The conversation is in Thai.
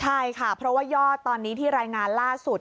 ใช่ค่ะเพราะว่ายอดตอนนี้ที่รายงานล่าสุด